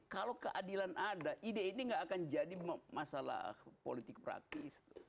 kalau keadilan ada ide ini gak akan jadi masalah politik praktis